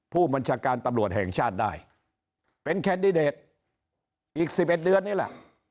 ผู้บัญชาการตำรวจแห่งชาติได้เป็นแคนดิเดตอีก๑๑เดือนนี่แหละ